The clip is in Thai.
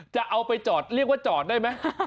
จะเอาไปจอดเรียกว่าจอดได้ไหม